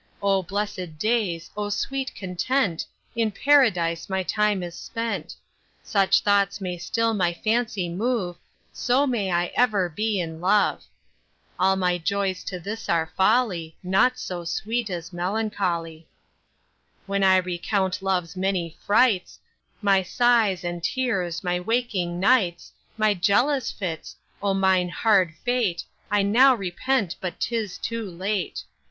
O blessed days, O sweet content, In Paradise my time is spent. Such thoughts may still my fancy move, So may I ever be in love. All my joys to this are folly, Naught so sweet as melancholy. When I recount love's many frights, My sighs and tears, my waking nights, My jealous fits; O mine hard fate I now repent, but 'tis too late.